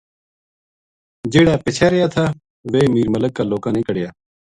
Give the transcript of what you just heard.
جہیڑا پِچھے رہیا تھا ویہہ میر ملک کا لوکاں نے کڈھیا